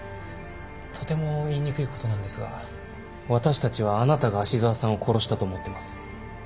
とても言いにくいことなんですが私たちはあなたが芦沢さんを殺したと思ってます。